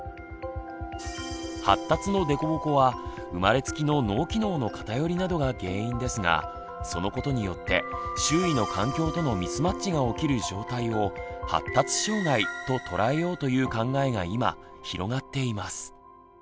発達の凸凹は生まれつきの脳機能の偏りなどが原因ですがそのことによって周囲の環境とのミスマッチが起きる状態を「発達障害」ととらえようという考えが今広がっています。